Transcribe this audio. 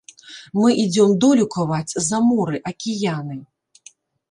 Мы ідзём долю каваць за моры, акіяны.